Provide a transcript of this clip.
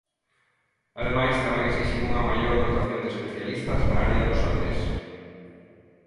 Ademais, tamén exixen unha maior dotación de especialistas na área do Salnés.